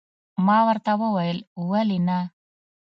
ما ورته وویل، ولې نه.